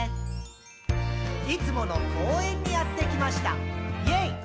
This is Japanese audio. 「いつもの公園にやってきました！イェイ！」